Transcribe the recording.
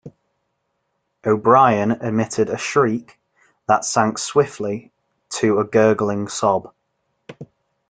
O'Brien emitted a shriek that sank swiftly to a gurgling sob.